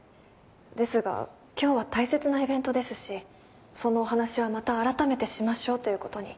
ですが今日は大切なイベントですしそのお話はまたあらためてしましょうということに。